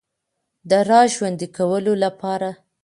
د را ژوندۍ کولو لپاره